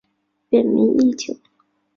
本名义久。